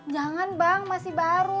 jangan bang masih baru